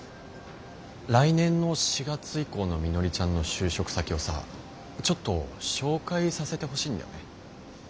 来年の４月以降のみのりちゃんの就職先をさちょっと紹介させてほしいんだよね。